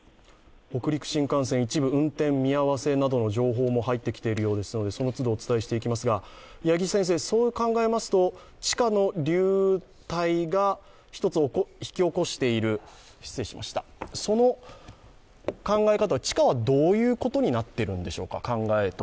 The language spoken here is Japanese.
北陸新幹線、一部運転見合わせなどの情報も入ってきているようですのでそのつど、お伝えしていきますがそう考えますと地下の流体が一つ引き起こしている、その考え方としたら地下はどういうことになっているんでしょうか？